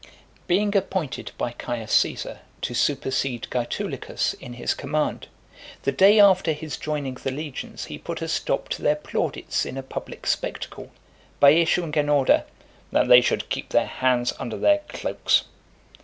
Being appointed by Caius Caesar to supersede Gaetulicus in his command, the day after his joining the legions, he put a stop to their plaudits in a public spectacle, by issuing an order, "That they should keep their hands under their cloaks."